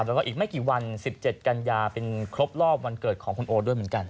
แล้วก็อีกไม่กี่วัน๑๗กันยาเป็นครบรอบวันเกิดของคุณโอด้วยเหมือนกัน